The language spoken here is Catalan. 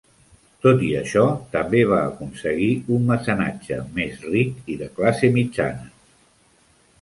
Tot i això, també va aconseguir un mecenatge més ric i de classe mitjana.